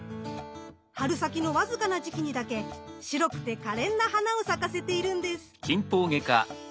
春先のわずかな時期にだけ白くてかれんな花を咲かせているんです。